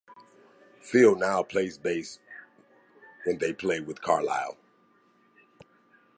Phil now plays bass when they play with Carlile.